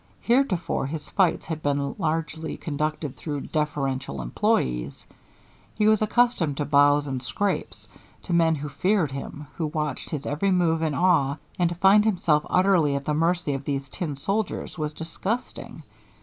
Heretofore his fights had been largely conducted through deferential employees. He was accustomed to bows and scrapes, to men who feared him, who watched his every move in awe, and to find himself utterly at the mercy of these tin soldiers was disgusting.